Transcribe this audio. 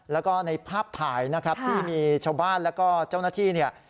แล้วก็ในภาพถ่ายนะครับที่มีชาวบ้านแล้วก็เจ้าหน้าที่เนี่ย